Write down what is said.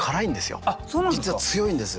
実は強いんです。